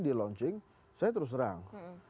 di launching saya terus terang